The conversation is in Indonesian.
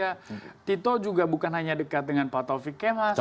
karena tito juga bukan hanya dekat dengan pak taufik kemas